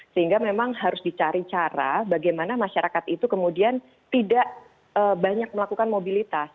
sehingga memang harus dicari cara bagaimana masyarakat itu kemudian tidak banyak melakukan mobilitas